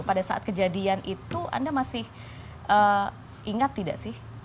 pada saat kejadian itu anda masih ingat tidak sih